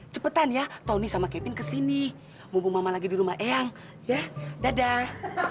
cepetan ya tony sama kevin kesini mumpung mama lagi di rumah eyang ya dadah